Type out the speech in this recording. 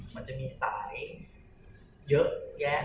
มันจะมีสายเยอะแยะ